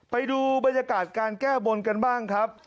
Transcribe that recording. ไปดูบรรยากาศการแก้บนกันบ้างครับ